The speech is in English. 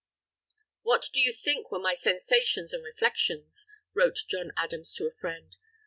"What do you think were my sensations and reflections?" wrote John Adams to a friend.